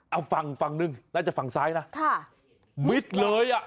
เอาฝั่งฝั่งหนึ่งน่าจะฝั่งซ้ายนะค่ะมิดเลยอ่ะ